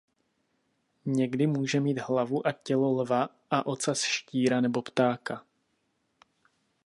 Někdy může mít hlavu a tělo lva a ocas štíra nebo ptáka.